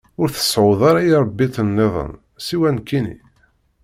Ur tseɛɛuḍ ara iṛebbiten-nniḍen siwa nekkini.